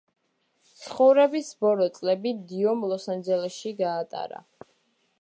ცხოვრების ბოლო წლები დიომ ლოს-ანჟელესში გაატარა.